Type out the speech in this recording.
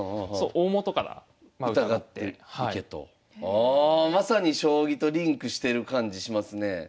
ああまさに将棋とリンクしてる感じしますねえ。